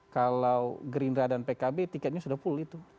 kalau gerindra dan pkb tiketnya sudah full itu